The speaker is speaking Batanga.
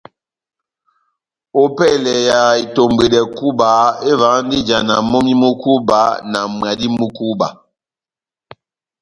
Ópɛlɛ ya itombwedɛ kúba, evahandi ijana momí mu kúba na mwadi mú kúba.